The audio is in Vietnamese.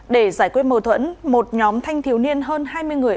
để giải quyết mâu thuẫn một nhóm thanh thiếu niên hơn hai mươi người